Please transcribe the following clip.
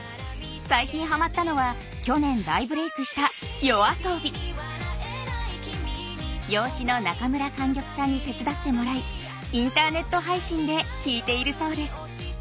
最近はまったのは去年大ブレークした養子の中村莟玉さんに手伝ってもらいインターネット配信で聴いているそうです。